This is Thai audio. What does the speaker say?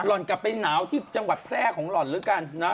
ห่อนกลับไปหนาวที่จังหวัดแพร่ของหล่อนแล้วกันนะ